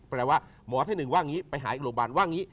แปลว่าหมอท่านหนึ่งว่างี้ไปหาอีกโรงพยาบาลว่างี้